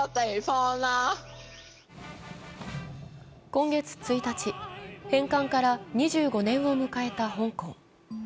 今月１日、返還から２５年を迎えた香港。